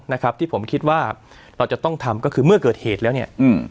นะครับที่ผมคิดว่าเราจะต้องทำก็คือเมื่อเกิดเหตุแล้วเนี่ยอืม